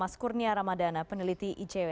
mas kurnia ramadana peneliti icw